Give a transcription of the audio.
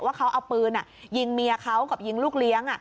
ว่าเขาเอาปืนยิงเมียเขากับยิงลูกเลี้ยง